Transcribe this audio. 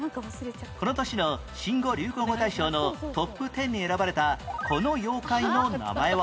この年の新語・流行語大賞のトップ１０に選ばれたこの妖怪の名前は？